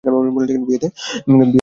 বিয়েতে গাড়ি দিয়েছে ওকে, দেখেছ?